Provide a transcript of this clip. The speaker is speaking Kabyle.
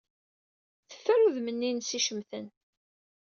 Teffer udem-nni-nnes icemten.